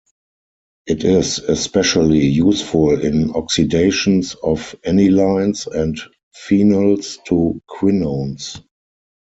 It is especially useful in oxidations of anilines and phenols to quinones.